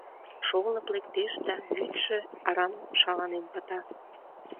— Шолып лектеш да вӱдшӧ арам шаланен пыта.